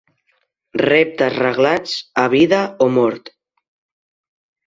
Reptes reglats a vida o mort.